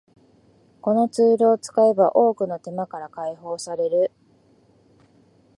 このツールを使えば多くの手間から解放される